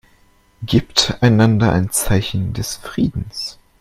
Gebt einander ein Zeichen des Friedens.